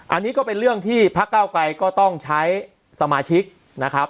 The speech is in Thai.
อันนี้ก็เป็นเรื่องที่พักเก้าไกรก็ต้องใช้สมาชิกนะครับ